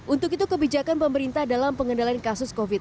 untuk itu kebijakan pemerintah dalam pengendalian kasus covid sembilan belas